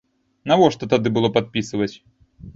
Навошта тады было падпісваць?